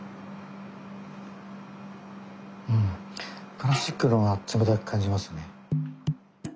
プラスチックの方が冷たく感じますね。